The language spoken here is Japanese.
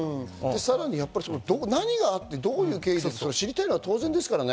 さらに何があって、どういう経緯と知りたいのは当然ですからね。